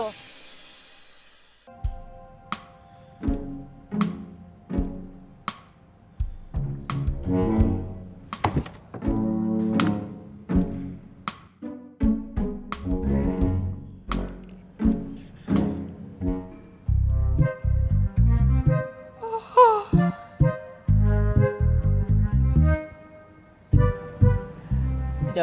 waduh units juga lacer